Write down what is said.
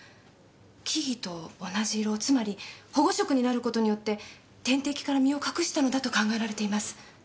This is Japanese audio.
木々と同じ色つまり保護色になることによって天敵から身を隠したのだと考えられています。